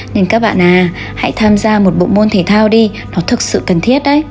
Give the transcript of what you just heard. nên các bạn hãy tham gia một bộ môn thể thao đi nó thực sự cần thiết đấy